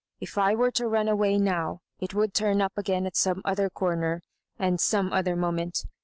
If I were to run away now, it would turn up again at some other cor ner, and some other moment.